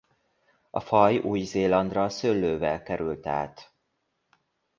A faj Új-Zélandra a szőlővel került át.